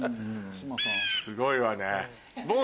すごいわね。